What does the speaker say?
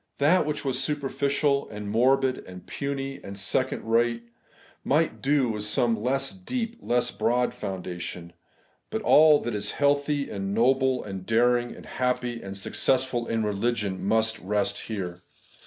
That which was superficial, and morbid, and puny, and second rate, might do with some less deep, less broad foundation ; but all that is healthy, and noble, and daring, and happy, and successful in religion must rest here.